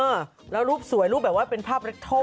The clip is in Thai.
เออแล้วรูปสวยรูปแบบว่าเป็นภาพเล็กทอล